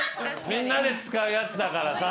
みんなで使うやつだからさ。